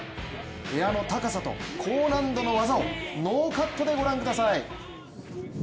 エアの高さと高難度の技をノーカットでご覧ください。